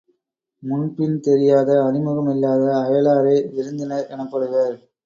முன்பின் தெரியாத அறிமுகம் இல்லாத அயலாரே விருந்தினர் எனப்படுவர்.